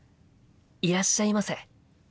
いらっしゃいませ」。